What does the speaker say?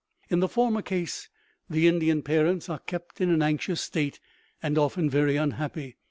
In the former case, the Indian parents are kept in an anxious state and often very unhappy.